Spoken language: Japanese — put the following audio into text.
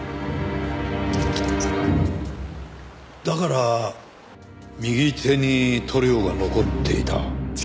だから右手に塗料が残っていた。